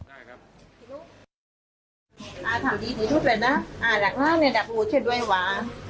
อาทำดีที่สุดแล้วนะอาหลังมาบูฆ์แช่งด้วยวาง